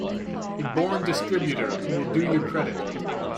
A born distributor, who will do you credit.